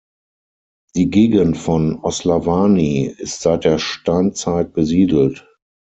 Die Gegend von Oslavany ist seit der Steinzeit besiedelt.